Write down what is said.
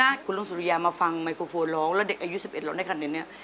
ถ้าคุณลุงสุริยามาฟังไมโครโฟนร้องแล้วเด็กอายุ๑๑ร้องได้คะแนนเนี่ย